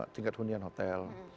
tingkat hunian hotel